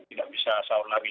tidak bisa sahur lagi